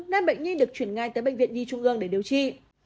nên bệnh nhi được chuyển ngay tới bệnh viện nhi trung ương để điều trị